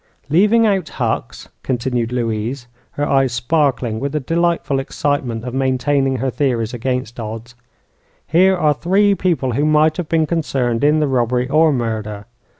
"Leaving out Hucks," continued Louise, her eyes sparkling with the delightful excitement of maintaining her theories against odds, "here are three people who might have been concerned in the robbery or murder.